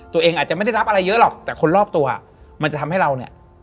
ตัวเองอาจจะไม่ได้รับอะไรเยอะหรอกแต่คนรอบตัวมันจะทำให้เราเนี่ย